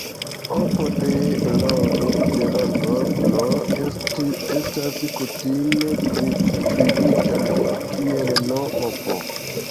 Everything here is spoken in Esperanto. Opo de longo "n" estas kutime priskribita kiel "n"-opo.